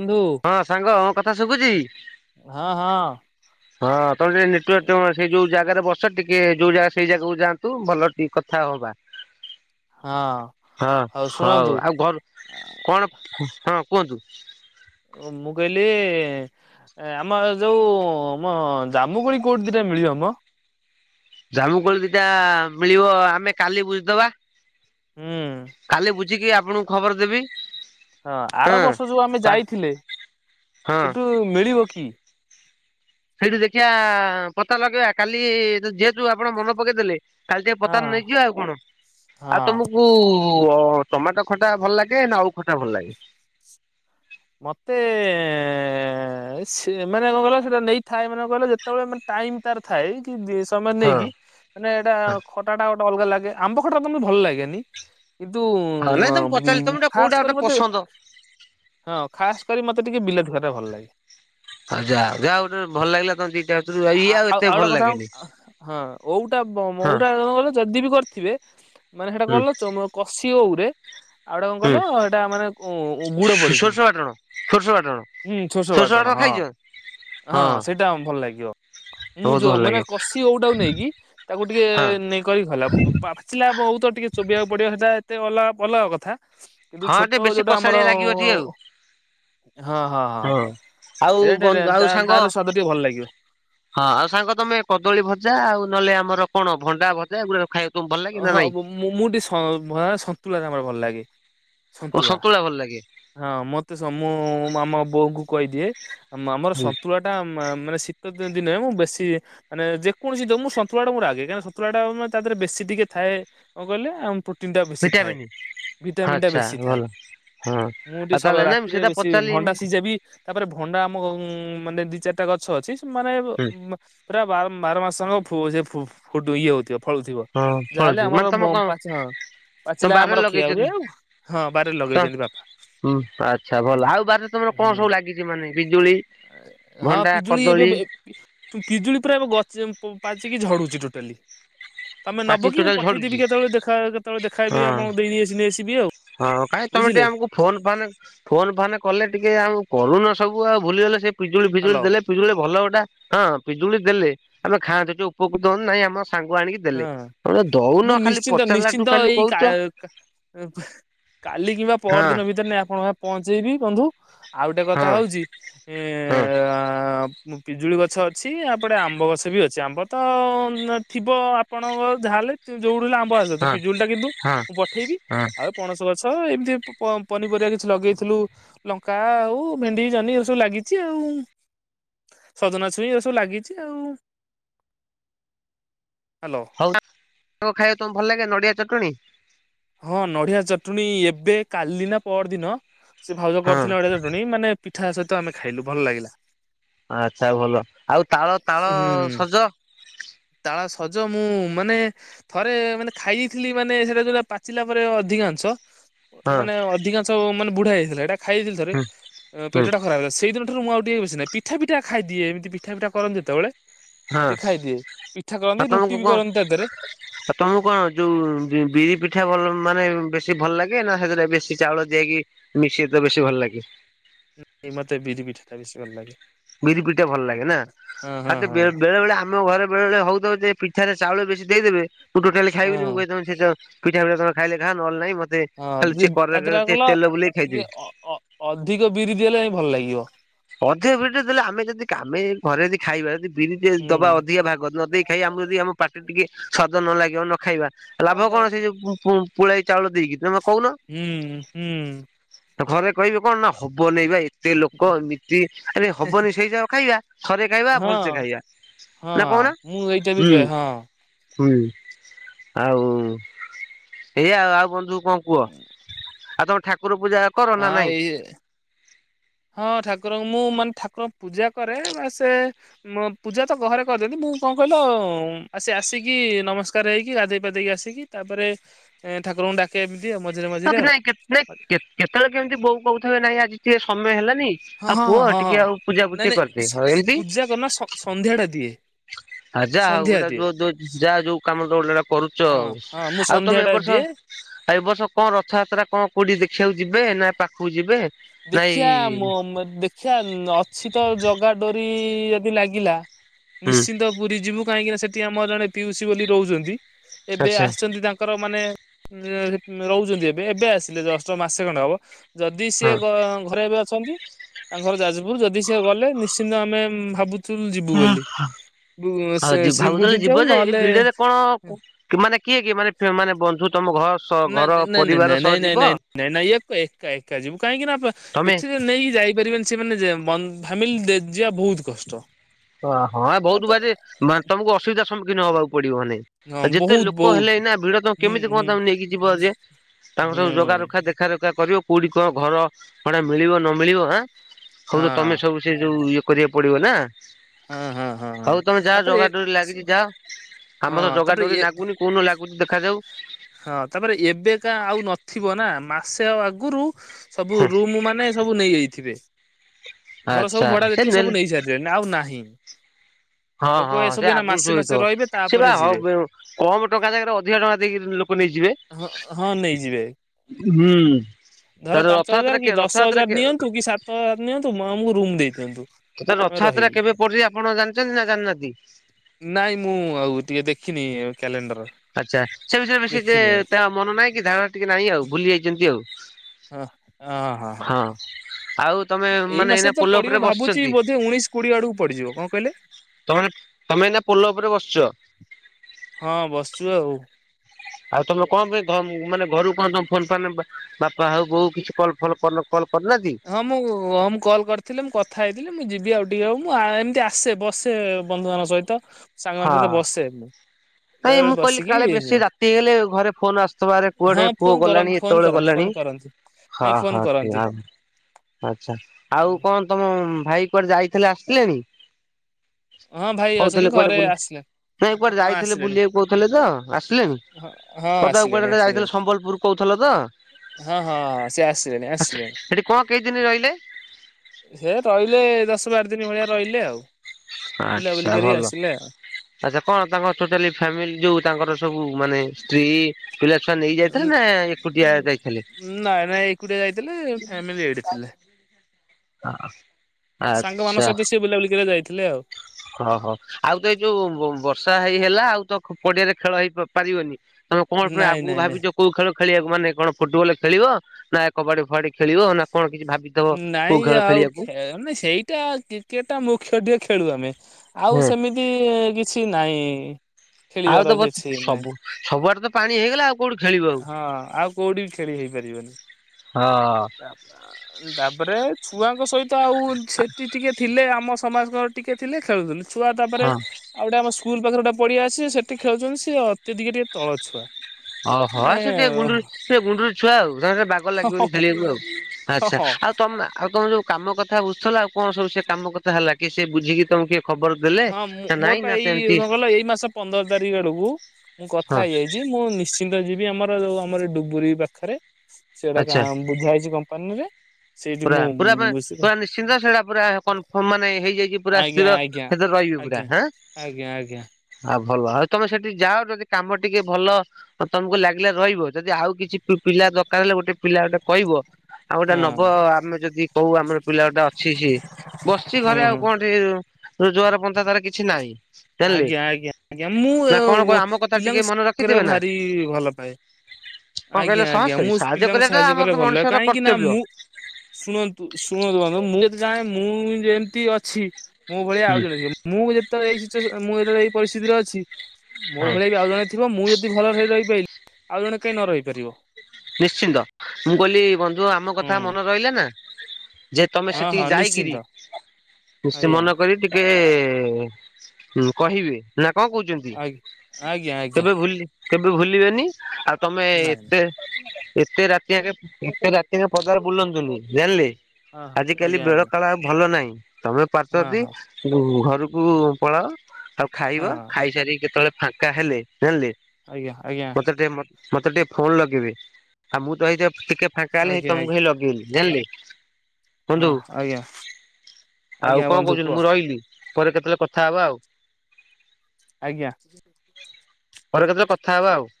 ବନ୍ଧୁ ହଁ ସାଙ୍ଗ ମୋ କଥା ଶୁଭୁଚି? ହଁ ହଁ ହଁ ତମେ ସେଇ ନେଟୱାର୍କ ସେଇ ଯୋଉଁ ଜାଗାରେ ବସ ଟିକେ ଯୋଉଁ ଜାଗା ସେଇ ଜାଗାକୁ ଯାଆନ୍ତୁ ଭଲ ଟିକେ କଥା ହବା। ହଁ ହଁ ହଉ ଆଉ ଘରୁ କଣ ହଁ କୁହନ୍ତୁ? ମୁଁ କହିଲି ଏ ଆମ ଯୋଉଁ ମ ଜାମୁକୋଳି କୋଉଁଠି ଦିଟା ମିଳିବମ। ଜାମୁକୋଳି ଦିଟା ମିଳିବ ଆମେ କାଲି ବୁଝିଦେବା। ହୁଁ। କାଲି ବୁଝିକି ଆପଣଙ୍କୁ ଖବର ଦେବି। ହଁ ଆର ବର୍ଷ ଯୋଉଁ ଆମେ ଯାଇଥିଲେ ହଁ ସେଠୁ ମିଳିବ କି? ସେଇଠୁ ଦେଖିବା ପତା ଲଗେଇବା କାଲି ଯେହେତୁ ଆପଣ ମନେ ପକେଇଦେଲେ। କାଲି ଟିକେ ହଁ ପତାର ନେଇଯିବା ଆଉ କଣ ହଁ ଆଉ ତମକୁ ଓ ଟମାଟୋ ଖଟା ଭଲ ଲାଗେ ନା ଆଉ ଖଟା ଭଲ ଲାଗେ? ମତେ ଏଁ ଏଁ ସେ ମାନ କଣ କିଲ ସେଟା ନେଇ ଥାଏ ମାନେ କହିଲ ଯେତେବେଳେ ମାନେ ଟାଇମ ତାର ଥାଏ କି ସମୟ ହଁ ନେଇକି ମାନେ ଏଇଟା ଖଟା ଟା ଗୋଟେ ଅଲଗା ଲାଗେ ଆମ୍ବ ଖଟା ତମେ ଭଲ ଲାଗେନି କିନ୍ତୁ ହଁ ନାଇଁ ତମେ ପଚାରିଲି ତମେ କୋଉଟା ଖାସ ଗୋଟେ କରି ମୋତେ ପସନ୍ଦ ହଁ ଖାସ କରି ମତେ ଟିକେ ବିଲାତି ଖଟା ଭଲ ଲାଗେ। ଆଉ ଯାହା ଯାହା ଗୋଟେ ଭଲ ଲାଗିଲା ତମ ଦିଟା ହରୁ ଆ ଇଏ ଆଉ ଏତେ ଭଲ ଲାଗେନି। ଓଉ, ହଁ ଓଉଟା ଯଦି ବି କରିଥିବେ ମାନେ ହୁଁ ସେଟା ଚମ କଷି ଓଉ ରେ ଆଉ ହେଟା କଣ ହୁଁ କହିଲ ହେଟା ମାନେ ଗୁଡ ପଡିକି। ସୋରିଷ ବାଟଣ ସୋରିଷ ବାଟଣ ସୋରିଷ ବାଟଣ ଖାଇଚ? ହଁ ସେଇଟା ଭଲ ଲାଗିବ। ମୁଁ ବହୁତ ଭଲ ଯୋଉଁ ମାନେ ଲାଗେ କଷି ଓଉଟାକୁ ନେଇକି ତାକୁ ଟିକେ ହଁ ନେଇ କରିକି ଗଲା ପାଚିଲା ଓଉ ତ ଟିକେ ଚୋବେଇବାକୁ ପଡିବ ସେଇଟା ଏତେ ଅଲଗା ଅଲଗା କଥା କିନ୍ତୁ ହଁ ଟିକେ ଛୋଟ ବେଶୀ ଯୋଉଁଟା କଷାଳିଆ ଆମର ଲାଗିବ ଟିକେ ଆଉ ହଁ ହଁ ହଁ ଆଉ ସେଟା ବନ୍ଧୁ ଆଉ ସାଙ୍ଗ ତାର ସ୍ୱାଦ ଟିକେ ଭଲ ଲାଗିବ। ହଁ ଆଉ ସାଙ୍ଗ ତମେ କଦଳୀ ଭଜା ଆଉ ନହେଲେ ଆମର କଣ ଭଣ୍ଡା ଭଜା ଏଗୁଡା ଖାଇ ହଁ ମୁଁ ଟିକେ ସନ୍ତୁଳା [unintelligible] ଭଲ ଲାଗେ ଓ ସନ୍ତୁଳା। ଭଲ ଲାଗେ ହଁ ମତେ ମୁଁ ମାମ ବୋଉଙ୍କୁ କହିଦିଏ ଆମର ସନ୍ତୁଳା ଟା ମାନେ ଶୀତ ଦିନେ ମୁଁ ବେଶୀ ମାନେ ଯେକୌଣ ମୁଁ ସନ୍ତୁଳା ଟାକୁ ରାଗେ କାହିଁକି ସନ୍ତୁଳା ତା ଦେହେରେ ବେଶି ଟିକେ ଥାଏ କଣ କହିଲ ପ୍ରୋଟିନ ଟା ବେଶୀ ଥାଏ ଭିଟାମିନ୍ ଭିଟାମିନ୍ ଟା ଆଚ୍ଛା ବେଶୀ ଥାଏ। ଭଲ ହଁ ମୁଁ ଆଉ ଟିକେ ତାହେଲେ ନାଇଁ ମୁଁ ରାତିରେ ସେଇଟା ବେଶୀ ଭଣ୍ଡା ପଚାରିଲି ସିଝାବି ତାପରେ ଭଣ୍ଡା ଆମ ମାନେ ଦି ଚାରିଟା ଗଛ ଅଛି ମାନେ ପୁରା ବାର ବାର ମାସ ସାଙ୍ଗ ସେ ଫ ଇଏ ହଉଥିବ ଫଳୁଥିବ। ହଁ ଯାହାହେଲେ ଫଳୁଛି ମାନେ ଆମର ତମ କଣ ବମ୍ପା ହଁ ତମ ପାଚିଲା ବାରିରେ ଆମର ଲଗେଇଛ ଖିଆ ହୁଏ ହଁ ବାରିରେ ତ ଲଗେଇଛନ୍ତି ବାପା। ହୁଁ ଆଚ୍ଛା ଭଲ ଆଉ ବାରିରେ ତମର କଣ ହୁଁ ସବୁ ଲାଗିଛି ମାନେ ବିଜୁଳି? ହଁ ପିଜୁଳି ଏବେ ବେ ପିଜୁଳି ପୁରା ଏବେ ଗଛ ପାଚିକି ଝଡୁଛି ଟୋଟାଲି। ତମେ ପାଚି ନବ କି ମୁଁ ଟୋଟାଲ ଝଡୁଛି ପଠେଇଦବି କେତେବେଳେ ଦେଖା କେତେବେଳେ ଦେଖାଇବି ହଁ ଆପଣ ଦେଇଦେଇକି ଆସିି ଆସିବି ଆଉ ହଁ କାଇଁ ତମେ ଟିକେ ବୁଝିଲେ। ଆମକୁ ଫୋନ ଫାନେ ଫୋନ ଫାନେ କଲେ ଟିକେ ଆଉ କରୁନ ସବୁ ଆଉ ଭୁଲିଗଲେ ସେ ପିଜୁଳି ହ୍ୟାଲୋ ଫିଜୁଳି ଦେଲେ ପିଜୁଳି ଭଲ ଗୋଟା ହଁ ପିଜୁଳି ଦେଲେ ଆମେ ଖାଆନ୍ତୁ ଟେ ଉପକୃତ ହୁନ୍ତୁ ନାହିଁ ଆମ ସାଙ୍ଗ ଆଣିକି ହଁ ଦେଲେ ତମେ ମୁଁ ଦଉନ ଖାଲି ନିଶ୍ଚିନ୍ତ ନିଶ୍ଚିନ୍ତ ପଚାରିଲାଠୁ ଖାଲି ଏଇ କହୁଛ। କାଲି କିମ୍ବା ପହର ହଁ ଦିନ ଭିତରେ ନେଇ ଆପଣ ପହଞ୍ଚେଇବି ବନ୍ଧୁ। ଆଉ ଗୋଟେ କଥା ହଁ ହଉଛି ଏ ହଁ ଆ ମୁଁ ପିଜୁଳି ଗଛ ଅଛି ଆପଟେ ଆମ୍ବ ଗଛ ବି ଅଛି ଆମ୍ବ ତ ଥି ଵ ଆପଣଙ୍କ ଯାହେଲେ ଯୋଉଠୁ ହେଲେ ଆମ୍ବ ଆସିଯାଉଥିବ ତ ହଁ ପିଜୁଳି ଟା କିନ୍ତୁ ହଁ ମୁଁ ପଠେଇବି ହଁ ଆଉ ପଣସ ଗଛ ଏମିତି ପନିପରିବା କିଛି ଲଗେଇଥିଲୁ। ଲଙ୍କା ଆଉ ଭେଣ୍ଡି ଜହ୍ନି ଏରା ସବୁ ଲାଗିଛି ଆଉ। ସଜନା ଛୁଇଁ ଏରା ସବୁ ଲାଗିଛି ଆଉ। ହ୍ୟାଲୋ। ଖାଇବାକୁ ତମକୁ ଭଲ ଲାଗେ ନଡ଼ିଆ ଚଟଣି? ହଁ ନଡ଼ିଆ ଚଟଣୀ ଏବେ କାଲି ନା ପର ଦିନ ସେ ଭାଉଜ ହଁ କରିଥିଲେ ନଡ଼ିଆ ଚଟଣୀ ମାନେ ପିଠା ସହିତ ଆମେ ଖାଇଲୁ ଭଲ ଲାଗିଲା। ଆଛା ଭଲ ଆଉ ତାଳ ତାଳ ହୁଁ। ସଜ? ତାଳ ସଜ ମୁଁ ମାନେ ଥରେ ମାନେ ଖାଇଦେଇଥିଲି ମାନେ ସେଟା ଯୋଉଟା ପାଚିଲା ପରେ ଅଧିକାଂଶ। ହଁ ମାନେ ଅଧିକାଂଶ ମାନେ ବୁଢ଼ା ହେଇଯାଇଥିଲା ହେଇଟା ଖାଇଦେଇଥିଲି ଥରେ ହୁଁ ହୁଁ ପେଟ ଟା ଖରାପ ହେଇଥିଲା ସେଇଦିନ ମୁଁ ଆଉ ଟିକେ ବସି ନା ପିଠା ପିଠା ଖାଇଦିଏ ଏମିତି ପିଠା କରନ୍ତି ଯେତେବେଳେ ହଁ ଟିକେ ଖାଇଦିଏ। ପିଠା କରନ୍ତି ଆଉ ରୁଟି ତମକୁ ବି କଣ? କରନ୍ତି ତା ଦେହରେ ଆଉ ତମକୁ କଣ ଯୋଉ ବିରି ପିଠା ଭଲ ମାନେ ବେଶୀ ଭଲ ଲାଗେ ନା ସେଥିଟା ବେଶୀ ଚାଉଳ ଯିଆକି ମିଶେଇ ଦବ ସେ ଭଲ ଲାଗିବ। ଏ ମତେ ବିରିି ପିଠାଟା ବେଶୀ ଭଲ ଲାଗେ। ବିରି ପିଠା ଭଲ ଲାଗେ ନା ହଁ ହଁ ଆତ ହଁ। ବେଳେ ବେଳେ ଆମ ଘରେ ବେଳେ ବଳେ ହଉ ପିଠାରେ ଚାଉଳ ବେଶୀ ଦେଇଦେବେ ମୁଁ ଟୋଟାଲି ଖାଇବିନି ହଁ ମୁଁ କହିବି ତମେ ସେ ଚ ପିଠା [unintelligible] ଖାଇଲେ ଖା ନହଲେ ନାଇଁ ମତେ ଖାଲି ହଁ ସେ ତା ଦେହରେ କରରେ ଏୟାକଲ ତେଲ ବୁଲେଇ ଖାଇଦେବି। ଟିକେ ଅଧିକ ବିରି ଦିଲେ ଭଲ ଲାଗିବ। ଅଧିକ ବିରିଟା ଦେଲେ ଆମେ ଯଦି ଆମେ ଘରେ ଯଦି ଖାଇବା ଯଦି ବିରିଟିଏ ହୁଁ। ଦବା ଅଧିକା ଭାଗ ନଦେଇ ଖାଇ ଆମର ଯଦି ଆମ ପାଟିରେ ଟିକେ ସ୍ୱାଦ ନ ଲାଗିବ ନ ଖାଇବା। ଲାଭ ଅଲଗା କଣ କଥା ସେଇ ଯୋଉ ପୂଳାଇ ଚାଉଳ ଦେଇକି ତମେ କହୁନ। ହୁଁ ହୁଁ। ତ ଘରେ କହିବେ କଣ ନା ହବନାଇଁ ବା ଏତେ ଲୋକ ଏମିତି ଆରେ ହବନେଇ ସେଇ ଯାକ ଖାଇବା ଥରେ ଖାଇବା ହଁ ଭଲସେ ଖାଇବା। ହଁ ନା କହୁନା ମୁଁ ଏଇଟା ବି କହେ, ହୁଁ ହଁ। ହୁଁ ଆଉ ଏଇଆ ଆଉ ଏଇଆ ଆଉ ବନ୍ଧୁ କଣ କୁହ ଆଉ ତମେ ଠାକୁର ପୁଜା ହଁ ଏଇ ହଁ ଠାକୁରଙ୍କୁ ମୁଁ ମାନେ ଠାକୁରଙ୍କୁ ପୂଜା କରେ ବାସେ ମୋ ପୂଜା ତ ଘରେ କରିଦିଅନ୍ତି ମୁଁ କଣ କହିଲ ଆସି ଆସିକି ନମସ୍କାର ହେଇକି ଗଧେଇ ପାଧେଇକି ଆସିକି। ତାପରେ ଠାକୁରଙ୍କୁ ଡାକେ ଏମିତି ଆଉ ମଝିରେ ମଝିରେ ଆଉ। ନାଇଁ କେତେବେଳେ କେମିତି ବୋଉ କହୁଥିବେ ନାହିଁ ଆଜି ଟିକେ ସମୟ ହେଲାନି ହଁ ଆଉ ହଁ ପୁଅ ହଁ ହଁ ଟିକେ ହଁ। ଆଉ ପୂଜା ନାଇଁ ଫୁଜି ନାଇଁ ମୁଁ କରିଦେ ସ ହଁ ସ ଏମତି ପୂଜା କରୁନା ସନ୍ଧ୍ୟା ଟା ଦିଏ ଆ ଯାହା ହଉ ସନ୍ଧ୍ୟା ଗୋଟା ଦିଏ। ଯୋଉ ଯୋଉ ଯାହା ଯୋଉ କାମତ ଗୋଟେ ଗୋଟେ କରୁଛ ହଁ ଆଉ ହଁ ମୁଁ ଆଉ ସନ୍ଧ୍ୟା ତମେ ଏ ଟା ବର୍ଷ ଦିଏ। ଆଉ ଏ ବର୍ଷ କଣ ରଥଯାତ୍ରା କଣ କୋଉଠି ଦେଖିବାକୁ ଯିବେ ନା ପାଖକୁ ଯିବେ? ନାଇଁ ଦେଖିଆ ମୋ ମ ଦେଖିଆ ଅଛି ତ, ଜଗା ଡୋରି-ଇ ଯଦି ଲାଗିଲା। ହୁଁ ନିଶ୍ଚିନ୍ତ ପୁରୀ ଯିବୁ କାହିଁକିନା, ସେଠି ଆମର ଜଣେ ପିଉସି ବୋଲି ରହୁଛନ୍ତି। ଏବେ ଆଚ୍ଛା ଆସିଛନ୍ତି ତାଙ୍କ ତାଙ୍କର ମାନେ-ଏ ରହୁଛନ୍ତି, ଏବେ, ଏବେ ଆସିଲେ ଜଷ୍ଟ ମାସେ ଖଣ୍ଡେ ହବ। ଯଦି ସିଏ ହଁ ଗ ଘରେ ଏବେ ଅଛନ୍ତି, ତାଙ୍କ ଘର ଯାଜପୁର ଯଦି ସେ ଗଲେ ନିଶ୍ଚିନ୍ତ, ଆମେ ଭାବୁ ହଁ, ସେ ଆଉ ଜି ଭାବୁଥିଲ ଶ୍ରୀଗୁଣ୍ଡିଚା କୁ ଯିବ ଯେ, ଏଇ ନହେଲେ ଭିଡରେ କଣ ମାନେ କିଏ? କିଏ? ମାନେ, ମାନେ ବନ୍ଧୁ ତମ ଘର ସ ନ ଘର ନାଇଁ ପରିବାର ନ ନାଇଁ ସହ ନାଇଁ ନାଇଁ ଯିବ ନାଇଁ ନାଇଁ ନାଇଁ ଏକ ଏକା ଏକା ଯିବୁ କାହିଁକିନା, ତମେ? ଏଠି ଯେ ନେଇକି ଯାଇ ପାରିବେନି। ସେମାନେ ଯେ, ବନ୍ ଫାମିଲି ଯିବା ବହୁତ କଷ୍ଟ। ଅ ହଁ, ଏ ବହୁତ ତାପରେ ବାଜେ, ମାନେ ତମକୁ ଅସୁବିଧା ସମ୍ମୁଖୀନ ହବାକୁ ପଡିବ ମାନେ। ହଁ ଆଉ, ଯେତେ ବହୁତ ଲୋକ ହେଲେ ବହୁତ ଏଇନା ଭିଡ଼ ତ, ହୁଁ କେମିତି କଣ ହୁଁ ତମ ନେଇକି ଯିବ ଯେ? ତାଙ୍କ ସବୁ ଜଗା ହୁଁ ରଖା ଦେଖ ଦେଖା ରଖା କରିବ। କୋଉଠି କଣ ଘର ଭଡା ମିଳିବ ନ ମିଳିବ ହାଁ? ହଉ ତ ହଁ। ତମେ ସବୁ ସେ ଯୋଉ ଇଏ କରିବାକୁ ପଡିବ ନା? ହଁ ହଁ ହଁ ହଁ ହଉ ତମେ ଯାଅ ତାପରେ ଏ ଜଗା ଡୋରି ଆସୁ ଲାଗିଛି ଯାଅ। ହଁ ଆମର ତ ଜଗା ତାପରେ ଡୋରି ଏ ନାଗୁନି। କୌଉନ ଲାଗୁଛି ଦେଖାଯାଉ। ହଁ, ତାପରେ ଏବେ କା ଆଉ ନଥିବ ନା। ମାସେ ଆଉ ଆଗରୁ ସବୁ ରୁମ୍ ମାନେ ସବୁ ନେଇଯାଇଥିବେ। ଘର ଆଚ୍ଛା ସବୁ ଭଡା ସେ ଯେତିକ ନେଲେ ସବୁ ନେଇ ସାରି ଯେନ୍ ଆଉ ନାହିଁ। ହଁ, ଲୋକ ହଁ ଏସବୁ ସେ ଏଇନା ଆଗରୁ ମାସେ ମାସେ ରହିବେ ଶୋଏଇଥିବ। ସେ ବା ତାପରେ ଯିବେ ହବେଉ କମ୍ ଟଙ୍କା ଜାଗାରେ ଅଧିକା ଟଙ୍କା ଦେଇକିରି ଲୋକ ନେଇଯିବେ। ହଁ, ହଁ ନେଇଯିବେ। ହୁଁ। ଧର! ତାର ପାଞ୍ଚ ରଥଯାତ୍ରା ହଜାର କେ କି, ଦଶ ରଥଯାତ୍ରା ହଜାର କେ ନିଅନ୍ତୁ, କି ସାତ ହଜାର ନିଅନ୍ତୁ, ମା ଆମକୁ ରୁମ୍ ଦେଇ ଦିଅନ୍ତୁ। ଏଥର ଆମେ ରଥଯାତ୍ରା ରହିବୁ କେବେ ପଡୁଛି! ଆପଣ ଜାଣିଛନ୍ତି ନା ଜାଣିନାହାଁନ୍ତି? ନାଇଁ, ମୁଁ ଆଉ ଟିକେ ଦେଖିନି କ୍ୟାଲେଣ୍ଡର। ଆଚ୍ଛା, ସେ ବିଷୟରେ ବେଶୀ ଟେ ଦେଖିନି ଆଉ ତା ମନ ନାହିଁ କି, ଧାରଣା ଟିକେ ନାହିଁ। ଆଉ, ଭୁଲି ଯାଇଛନ୍ତି ଆଉ। ହଁ, ଅ ହଁ, ହଁ,। ଆଉ, ତମେ ଏଇ ମାନେ ମାସରେ ଏଇନା ତ ପୋଲ ପଡିବ ଉପରେ ଭାବୁଛି ବସିଛନ୍ତି। ବୋଧେ ଉଣେଇଶ କୋଡିଏ ଆଡକୁ ପଡିଯିବ କଣ କହିଲେ? ତମେ! ତମେ ଏଇନା ପୋଲ ଉପରେ ବସିଛ? ହଁ, ବସିଛୁ ଆଉ। ଆଉ, ତମେ କଣ ପାଇଁ ଘ ମାନେ ଘରୁ କଣ, ତମ ଫୋନ୍ ଫାନ୍ ବାପା ହଉ, ବୋଉ କିଛି କଲ୍ ଫଲ୍ କରନ କଲ୍ କରିନାହାଁନ୍ତି? ହଁ ମୁଁ, ହଁ ମୁଁ କଲ୍ କରିଥ୍ ଥିଲେ, ମୁଁ କଥା ହେଇଥିଲି। ମୁଁ ଯିବି ଆଉ ଟିକେ ଆଉ ମୁଁ ଆ ଏମିତି ଆସେ, ବସେ, ବନ୍ଧୁମାନଙ୍କ ସହିତ। ସାଙ୍ଗମାନଙ୍କ ହଁ। ସହିତ ବସେ ମୁଁ। ବେଳେ ନାଇଁ, ବେଳେ ମୁଁ କହିଲି ବସିକି କାଳେ ବେଶୀ ରାତି ହେଇଗଲେ, ଘରେ ଫୋନ୍ ଆସଥିବଆରେ ହଁ କୁଆଡେ ପୁଅ ଫୋନ କରନ୍ତି ଗଲାଣି, ଫୋନ ଏତେବେଳ କରନ୍ତି ଫୋନ ଗଲାଣି। କରନ୍ତି। ହଁ, ନାଇଁ ଫୋନ ହଁ କରନ୍ତି। ସେୟାମ ଆଚ୍ଛା, ଆଉ, କଣ ତମ ଭାଇ କୁଆଡେ ଯାଇଥିଲେ ଆସିଲେଣି? ହଁ, ଭାଇ କହୁଥିଲେ ଅଛନି କୁଆଡେ ଘରେ ବୁଲି ଆସ୍ଲେ।। ନାଇଁ, କୁଆଡେ ଯାଇଥିଲେ ବୁଲିବାକୁ କହୁଥିଲେ ତ! ଆସିଲେଣି? ହଁ ହଁ ପଦାକୁ କୁଆଡେ ଆସିଲେଣି ଟେ ଯାଇଥିଲେ ଆସିଲେଣି। ସମ୍ବଲପୁର କହୁଥିଲ ତ? ହଁ ହଁ ସେ ଆସିଲେଣି ଆ ଆସିଲେଣି। ସେଠି କଣ କେଇ ଦିନି ରହିଲେ? ସେ ରହିଲେ, ଦଶ ବାର ଦିନ ଭଳିଆ ରହିଲେ ଆଉ। ବୁଲାବୁଲି ଆଚ୍ଛା, କରି ଭଲ। ଆସିଲେ ଆଉ। ଆଚ୍ଛା, କଣ ତାଙ୍କର ଟୋଟାଲି ଫ୍ୟାମିଲି ଯୋଉ, ତାଙ୍କର ସବୁ ମାନେ, ଷ୍ଟ୍ରୀ। ପିଲାଛୁଆ ନେଇକି ଯାଇଥିଲେ ନା ଏକୁଟିଆ ଯାଇଥିଲେ? ନାଇଁ ନାଇଁ ଏକୁଟିଆ ଯାଇଥିଲେ ଫ୍ୟାମିଲି ଏଇଠି ଥିଲେ। ନା। ସାଙ୍ଗମାନଙ୍କ ସହିତ ସେ, ବୁଲା ବୁଲିକରିବାକୁ ଯାଇଥିଲେ ଆଉ। ହଁ ହୋ! ଆଉ ତ ଏଇ ଯୋଉ ବର୍ଷା ହେଇ ହେଲା ଆଉ, ତ ପଡିଆରେ ଖେଳ ହେଇ ପାରିବନି? ତମେ କଣ ପୁଣି ନାଇଁ ଆଗକୁ ନାଇଁ ନାଇଁ। ଭାବିଛ, କୋଉ ଖେଳ ଖେଳିବାକୁ ମାନେ, କଣ ଫୁଟବଲ୍ ଖେଲିବ ନା କବାଡି ଫବାଡି? ଖେଳିବ ନା କଣ କିଛି ଭାବିଥବ କୋଉ ନାଇଁ ଖେଳ ଆଉ ଖେଳିବାକୁ। ସେଇଟା ଜି କେଟା ମୁଖ୍ୟ ଟିଏ ଖେଳୁ ଆମେ ଆଉ ହୁଁ। ସେମିତି କିଛି ନାଇଁ। ଆଉ ତ ବ ସବୁ ସବୁଆଡେ ତ ପାଣି ହେଇଗଲା ଆଉ କୋଉଠି ଖେଳିବ ଆଉ? ହଁ ଆଉ କୋଉଠି ବି ଖେଳି ହେଇପାରିବନି। ହଁ। ତାପ ତାପରେ ଛୁଆଙ୍କ ସହିତ ଆଉ ସେଠି ଟିକେ ଥିଲେ ଆମ ସମାଜଙ୍କ ଟିକେ ଥିଲେ ଖେଳୁଥିଲୁ। ଛୁଆ ତାପରେ ହଁ ଆଉ ଗୋେମ ସ୍କୁଲ ପାଖରେ ଗୋଟେ ପଡିଆ ଅଛି ସେଠି ଖେଳୁଛନ୍ତି ସେ ଅତ୍ୟଧିକେ ଟିକେ ତଳ ଛୁଆ। ଓହୋ ମାନେ ସେ ଟିକେ ଗୁଣ୍ଡୁର୍ ସେ ଗୁଣ୍ଡରୁ ଛୁଆ ଆଉ ବାଗ ହଁ ଲାଗିବନି ହଁ ଖେଳିବାକୁ ଆଉ ଆଚ୍ଛା ହଁ ଆଉ ତମେ ଆଉ ତମେ ଯୋଉ କାମ କଥା ବୁଝୁଥିଲ ଆଉ କଣ ସବୁ ସେ କାମ କଥା ହେଲା କି ସେ ବୁଝିକି ତମକୁ କିଏ ଖବର ଦେଲେ ହଁ ମୁଁ ନା ନାଇଁ ମୋର ତ ନା ଏଇ ସେମିତି ଲଗ୍ନ ଏଇ ମାସ ପନ୍ଦର ତାରିଖ ଆଡକୁ ମୁଁ କଥା ହଁ ହେଇଯାଇଛି। ଯେ ମୁଁ ନିଶ୍ଚିନ୍ତ ଯିବି ଆମର ଯେଉଁ ଆମର ଡୁବୁରି ପାଖରେ। ସେଇଟା ଆଚ୍ଛା। ଗାଁଁ ବୁଝା ହେଇଛି କମ୍ପାନୀ ରେ ପୁର ପୁରା ପୁରା ନିଶ୍ଚିନ୍ତ ସେଇଟା ପୁରା କନ୍‌ର୍ଫମ୍ ମାନେ ହେଇଯାଇଛି ପୁରା ଆଜ୍ଞା ସ୍ଥିର ଆଜ୍ଞା ସେଥିରେ ରହି ଯିବୁ ପୁରା ଆଜ୍ଞା ଆଜ୍ଞା ଆଜ୍ଞା ଆଉ ଭଲ ଆଉ ତମେ ସେଠି ଯାଅ ଯଦି କାମ ଟିକେ ଭଲ ହଁ ତମକୁ ଲାଗିଲା ରହିବ ଯଦି ଆଉ କିଛି ପିଲା ଦରକାର ହେଲେ ଗୋଟେ ପିଲା ଗୋଟେ କହିବ, ଆଉ ଗୋଟେ ନବ ହବ, ହଁ ଆମେ ଯଦି କହୁ ଆମର ପିଲା ଟା ଅଛି ସିଏ। ବସିଛି ହଁ ଘରେ ଆଉ ହଁ କଣଟିଏ ରୋଜଗାର ପନ୍ଥା ତାର କିଛି ନାହିଁ। ଜାଣିଲେ ଆଜ୍ଞା ଆଜ୍ଞା ଆଜ୍ଞା ନା କଣ କହ ମୁଁ ଆମ କଥା ଟିକେ ପିଲାଙ୍କ ମନେ ସାଙ୍ଗରେ ରଖିଥିବେ ନା ଭାରି ଭଲ ପାାଏ। କଣ କହିଲେ ଆଜ୍ଞା, ଆଜ୍ଞା, ସମସ୍ତେ ମୁଁ ପିଲାଙ୍କୁ କରିବାଟା ସାହାଯ୍ୟ ଆମର କଲେ ତ ଭଲ ଲାଗେ, ମଣିଷର କାହିଁକି ନା କର୍ତ୍ତବ୍ୟ ମୁଁ ଶୁଣନ୍ତୁ, ଶୁଣନ୍ତୁ ବନ୍ଧୁ, ମୁଁ ଯଦି ଚାହେଁ, ମୁଁ ଯେମିତି ଅଛି ମୁଁ ଭଳିଆ ଆଉ ହୁଁ ଜଣେ ଜିଏ। ମୁଁ ଯେତେଳେ ଏଇ ଚି ମୁଁ ଏତବେଳେ ଏଇ ପରିସ୍ଥିତିରେ ଅଛି ମୋ ହଁ ଭଳିଆ ବି ଆଉ ଜଣେ ଥିବ, ମୁଁ ଯଦି ଭଲରେ ହେଇ ରହିପାଇଲି, ଆଉ ଜଣେ କାହିଁ ନ ରହିପାରିବ? ନିଶ୍ଚିନ୍ତ! ମୁଁ କହିଲି, ବନ୍ଧୁ ଆମ ହୁଁ କଥା ମନ ରହିଲା ନା? ଯେ ତମେ ହଁ ହଁ ସେଟିକି ଯାଇକିରି, ନିଶ୍ଚିନ୍ତ ଖୁସି ଆଜ୍ଞା ମନ କରି ଟିକ୍ ଟିକେ କହିବେ ନା କଣ କହୁଛନ୍ତି? ଆଜ୍ଞା। ଆଜ୍ଞା ଚିନ୍ତି। ଆଜ୍ଞା କେବେ ଭୁଲି କେବେ ଭୁଲିବେନି! ଆଉ ତମେ ନାଇଁ ନାଇଁ ଏତେ ଏତେ ରାତି ଆଗେ ଏତେ ରାତିରେ ବଜାର ବୁଲନ୍ତୁନି ଜାଣିଲେ। ହଁ ଆଜି କାଲି ଆଜ୍ଞା ବେଳ ଆଜ୍ଞା କାଳ ଆଉ ଭଲ ନାହିଁ। ତମେ ପାରୁଛ ହଁ ଯଦି ହଁ ଘରକୁ ପଳାଅ। ଆଉ ଖାଇବ, ହଁ ଖାଇସାରିକି କେତେବେଳେ ଫାଙ୍କା ହେଲେ ହେଲି। ଆଜ୍ଞା ଆଜ୍ଞା। ମୋତେ ଟିକେ ମତେ ଟିକେ ଫୋନ୍ ଲଗେଇବେ? ଆଉ, ମୁଁ ତ ହେଇ ତ, ଟିକେ ଫାଙ୍କା ହେଲେ ହେଇ ଆଜ୍ଞା ତମକୁ ଆଜ୍ଞା ହେଇ ଲଗେଇଲି। ଜାଣିଲେ! ବନ୍ଧୁ, ହଁ ଆଜ୍ଞା ଆଉ ଆଜ୍ଞା କଣ ବନ୍ଧୁ କହୁଛନି? କୁହ ମୁଁ ରହିଲି ପରେ କେତେଳେ କଥା ହବା ଆଉ। ଆଜ୍ଞା। ପରେ କେତେରେ କଥା ହବ ଆଉ।